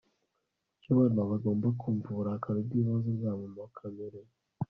kuki abana bagomba kumva uburakari bwibanze bwa mama kamere